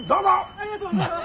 ありがとうございます！